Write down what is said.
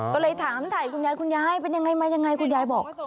ก็เลยถามถ่ายคุณยายคุณยายเป็นยังไงมายังไงคุณยายบอก